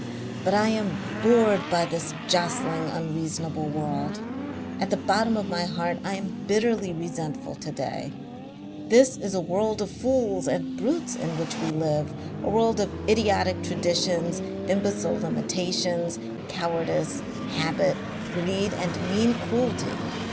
"But I am bored by this jostling unreasonable world. At the bottom of my heart I am bitterly resentful to day. This is a world of fools and brutes in which we live, a world of idiotic traditions, imbecile limitations, cowardice, habit, greed and mean cruelty.